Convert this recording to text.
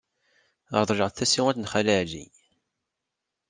Reḍleɣ-d tasiwant n Xali Ɛli.